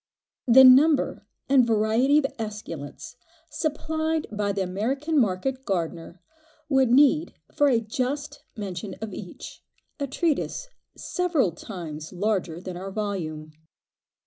The number and variety of esculents supplied by the American market gardener would need for a just mention of each, a treatise several times larger than our volume.